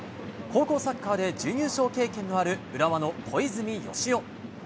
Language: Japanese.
高校サッカーで準優勝経験のある、浦和の小泉佳穂。